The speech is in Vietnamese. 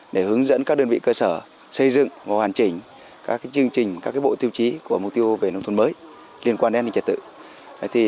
để hướng dẫn các đơn vị cơ sở xây dựng và hoàn chỉnh các chương trình các bộ tiêu chí của mục tiêu về nông thôn mới liên quan đến an ninh trật tự